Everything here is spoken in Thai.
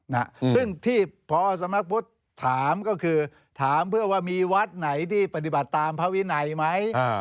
ซึ่งที่พระอาสมพุทธถามก็คือถามเพื่อว่ามีวัดไหนที่ปฏิบัติตามภาวิไหนไหม